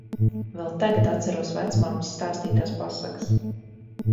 Vēl tagad atceros vecmammas stāstītās pasakas!